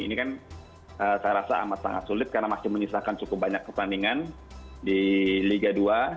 ini kan saya rasa amat sangat sulit karena masih menyisakan cukup banyak pertandingan di liga dua